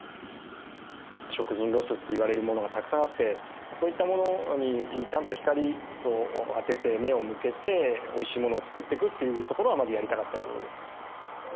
食品ロスといわれるものがたくさんあってそういったものにちゃんと光を当てて目を向けて美味しいものを作っていくっていうところはまずやりたかったところですね。